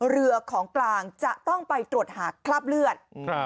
เรือของกลางจะต้องไปตรวจหาคราบเลือด